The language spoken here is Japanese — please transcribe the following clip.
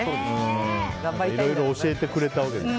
いろいろ教えてくれたわけでしょ。